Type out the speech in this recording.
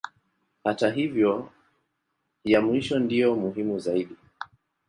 Hata hivyo ya mwisho ndiyo muhimu zaidi.